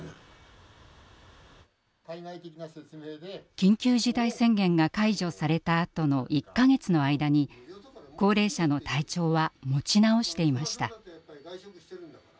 緊急事態宣言が解除されたあとの１か月の間に高齢者の体調は持ち直していました。